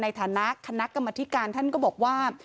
ในฐานะคณะกรรมธิการท่านก็บอกว่า